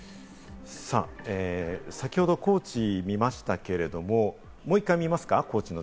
先ほど高知を見ましたけれども、もう１回見ましょうか？